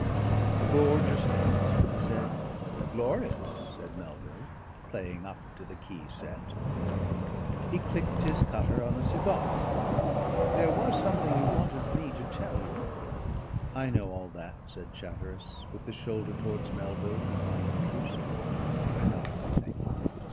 "It's a gorgeous night," he said. "Glorious," said Melville, playing up to the key set. He clicked his cutter on a cigar. "There was something you wanted me to tell you " "I know all that," said Chatteris with the shoulder towards Melville becoming obtrusive. "I know everything."